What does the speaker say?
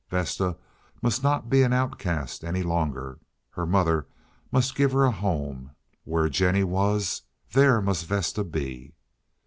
Vesta must not be an outcast any longer. Her mother must give her a home. Where Jennie was, there must Vesta be.